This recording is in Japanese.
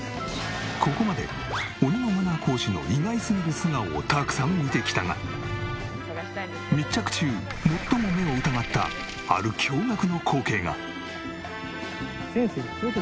ここまで鬼のマナー講師の意外すぎる素顔をたくさん見てきたが密着中最も目を疑ったある驚がくの光景が。